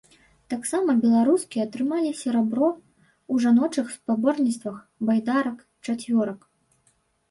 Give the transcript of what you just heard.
Таксама беларускі атрымалі серабро ў жаночых спаборніцтвах байдарак-чацвёрак.